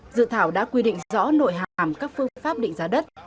dự thảo đã quy định rõ nội hàm các phương pháp định giá đất